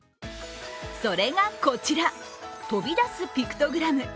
それがこちら、飛び出すピクトグラム。